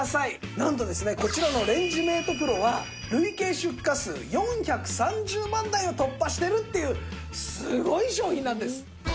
なんとですねこちらのレンジメートＰＲＯは累計出荷数４３０万台を突破してるっていうすごい商品なんです。